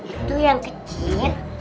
itu yang kecil